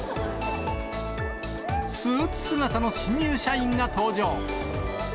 スーツ姿の新入社員が登場。